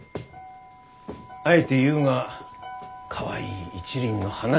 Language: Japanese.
あえて言うがかわいい一輪の花じゃないか。